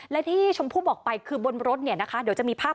และที่ชมพูบอกไปคือบนรถเดี๋ยวจะมีภาพ